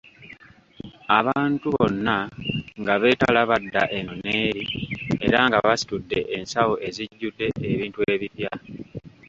Abantu bonna nga beetala badda eno n'eri era nga basitudde ensawo ezijudde ebintu ebipya.